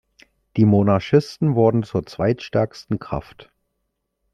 Die Monarchisten wurden zur zweitstärksten Kraft.